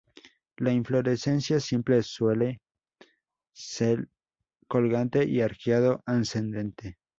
La inflorescencia simple suele se colgante y arqueado ascendente.